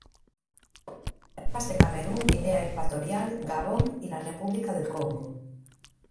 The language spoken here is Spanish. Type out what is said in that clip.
Se encuentra en selvas de Camerún, Guinea Ecuatorial, Gabón y la República del Congo.